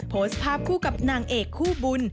โพสต์ภาพคู่กับนางเอกคู่บุญ